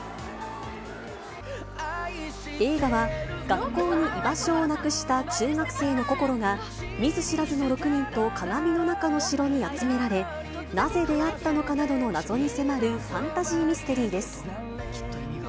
映画は学校に居場所をなくした中学生のこころが、見ず知らずの６人と鏡の中の城に集められ、なぜ出会ったのかなどの謎に迫るファンタジーミステリーです。